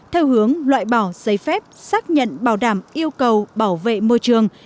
theo hướng loại bỏ giấy phép xác nhận bảo đảm yêu cầu bảo vệ môi trường